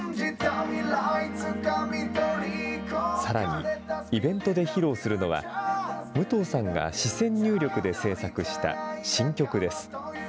さらに、イベントで披露するのは、武藤さんが視線入力で制作した新曲です。